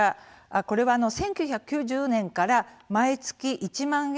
これは１９９０年から毎月１万円